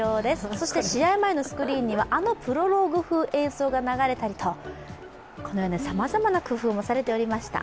そして試合前のスクリーンには、あのプロローグ風映像が流れたりこのように、さまざまな工夫もされておりました。